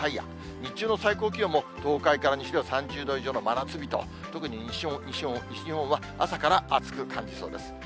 日中の最高気温も、東海から西では３０度以上の真夏日と、特に西日本は朝から暑く感じそうです。